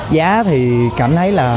giá thì cảm thấy là